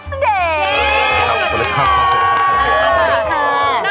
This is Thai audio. สวัสดีค่ะ